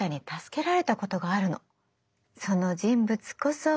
その人物こそ。